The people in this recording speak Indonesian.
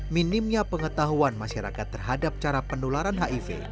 minimnya pengetahuan masyarakat terhadap cara penularan hiv